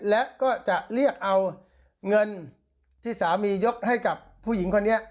และก็จะเรียกเอาเงินที่สามียกให้กับผู้หญิงคนนี้